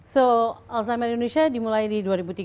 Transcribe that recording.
jadi alzheimer indonesia dimulai di dua ribu tiga belas